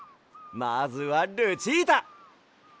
まずはルチータ！